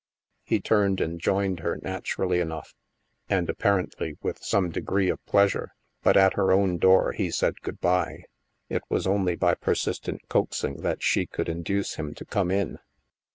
He turned and joined her naturally enough and, apparently, with some de gree of pleasure. But at her own door he said good bye ; it was only by persistent coaxing that she could induce him to come in.